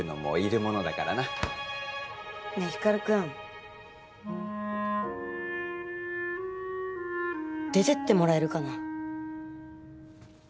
ねえ光くん。出てってもらえるかな？